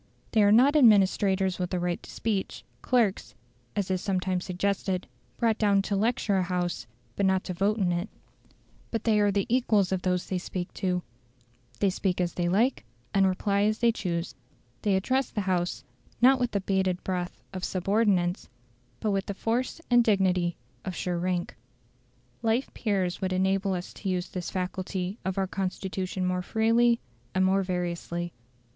They are not administrators with a right to speech clerks (as is sometimes suggested) brought down to lecture a House, but not to vote in it; but they are the equals of those they speak to; they speak as they like, and reply as they choose; they address the House, not with the "bated breath" of subordinates, but with the force and dignity of sure rank. Life peers would enable us to use this faculty of our Constitution more freely and more variously.